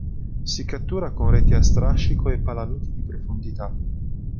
Si cattura con reti a strascico e palamiti di profondità.